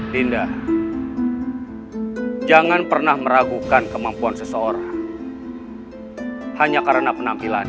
dinda jangan pernah meragukan kemampuan seseorang hanya karena penampilannya